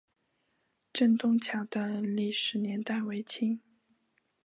镇东桥的历史年代为清。